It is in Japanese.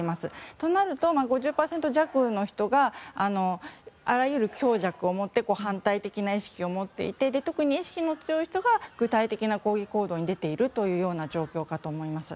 そうなると、５０％弱の人があらゆる強弱を持って反対的な意識を持っていて特に意識の強い人が具体的な抗議行動に出ているというような状況かと思います。